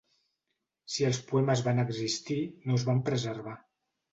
Si els poemes van existir, no es van preservar.